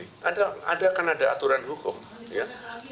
itu termasuk porna nanti ada kan ada aturan hukum ya